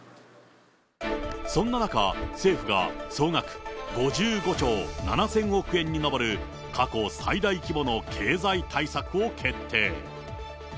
そんな中、政府が総額５５兆７０００億円に上る、過去最大規模の経済対策を決定。